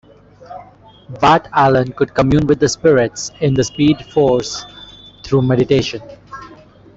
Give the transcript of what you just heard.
Bart Allen could "commune" with the spirits in the Speed Force through meditation.